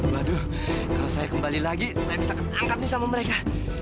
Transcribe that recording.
waduh kalau saya kembali lagi saya bisa ketangkap nih sama mereka